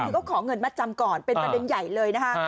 ก็ขอเงินมาจำก่อนเป็นประเด็นใหญ่เลยนะฮะ